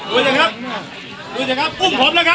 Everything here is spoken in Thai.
ดูสิครับดูสิครับดูสิครับอุ้มผมแล้วครับ